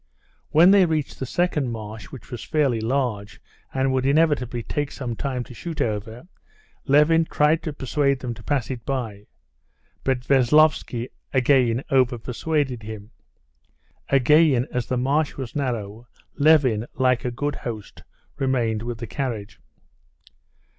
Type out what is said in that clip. When they reached the second marsh, which was fairly large, and would inevitably take some time to shoot over, Levin tried to persuade them to pass it by. But Veslovsky again overpersuaded him. Again, as the marsh was narrow, Levin, like a good host, remained with the carriage.